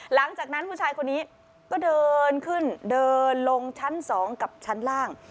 หลังจากนั้นผู้ชายคนนี้ก็เดินขึ้นเดินลงชั้น๒กับชั้นล่าง